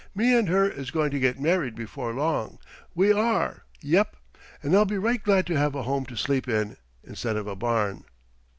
"Me and her is going to get married before long, we are. Yep. And I'll be right glad to have a home to sleep in, instead of a barn."